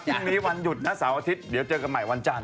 พรุ่งนี้วันหยุดนะเสาร์อาทิตย์เดี๋ยวเจอกันใหม่วันจันท